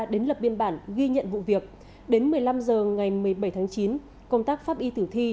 đến lập biên bản ghi nhận vụ việc đến một mươi năm h ngày một mươi bảy tháng chín công tác pháp y tử thi